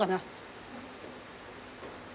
ทำงานได้เงิน๔๐๐บาทดีใจมาก